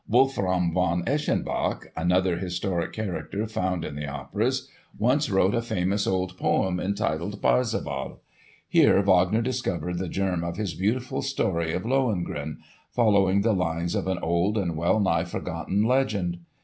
Wolfram von Eschenbach—another historic character found in the operas—once wrote a famous old poem entitled "Parzival." Here Wagner discovered the germ of his beautiful story of "Lohengrin," following the lines of an old and well nigh forgotten legend.